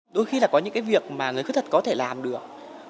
đôi khi là có những cái việc mà người khuyết tật có thể làm được